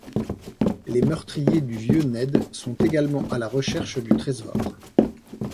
Les meurtriers du vieux Ned sont également à la recherche du trésor.